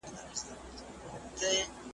اوږده غاړه یې ښایسته بې لونګینه .